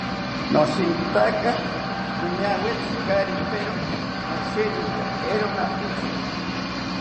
Noshinkitaka noñawetzi kari pero, nosheninka eero napitziro